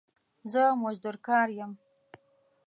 زه مزدور کار يم